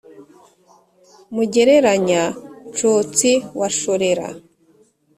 mugereranya-nshotsi wa shorera